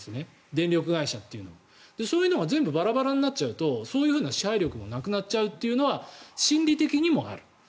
電力会社というのはそういうのが全部バラバラになっちゃうとそういうふうな支配力もなくなっちゃうというのは心理的にもある。